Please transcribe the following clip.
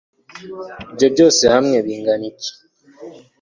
ibyo byose hamwe bingana iki